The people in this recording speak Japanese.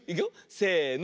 せの。